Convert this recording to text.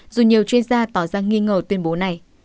dù nhiều chuyên gia tỏ ra nghi ngờ tuyên bố này